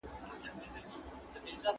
یو پراخ او ښکلی چمن دی.